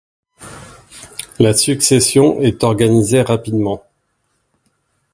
La succession est organisée rapidement.